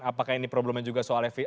apakah ini problemnya juga soal